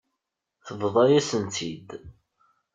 Tebḍa-yasent-tt-id.